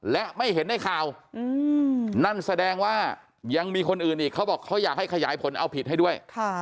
และไม่เห็นในข่าวนั่นแสดงว่ายังมีคนอื่นอีกเขาบอกเขาอยากให้ขยายผลเอาผิดให้ด้วย